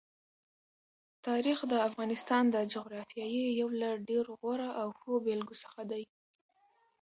تاریخ د افغانستان د جغرافیې یو له ډېرو غوره او ښو بېلګو څخه دی.